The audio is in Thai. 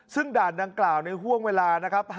ซึ่งด่านดังกล่าวในห่วงเวลานะครับ